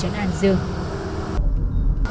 xem đây bảo người bé ý